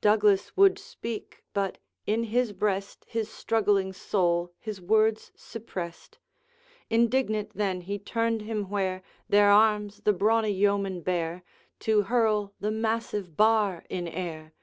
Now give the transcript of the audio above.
Douglas would speak, but in his breast His struggling soul his words suppressed; Indignant then he turned him where Their arms the brawny yeomen bare, To hurl the massive bar in air.